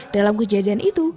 dalam kejadian itu